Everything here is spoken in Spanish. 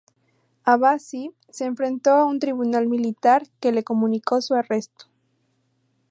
Abbasi se enfrentó a un tribunal militar que le comunicó su arresto.